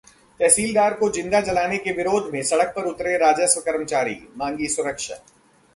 तहसीलदार को जिंदा जलाने के विरोध में सड़क पर उतरे राजस्व कर्मचारी, मांगी सुरक्षा